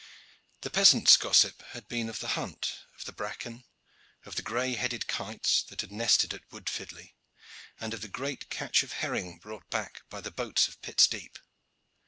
The peasant's gossip had been of the hunt, of the bracken, of the gray headed kites that had nested in Wood Fidley, and of the great catch of herring brought back by the boats of Pitt's Deep.